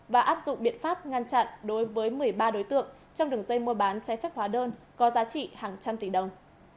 và áp dụng biện pháp ngăn chặn đối với một mươi ba đối tượng trong đường dây mua bán trái phép hóa đơn có giá trị hàng trăm tỷ đồng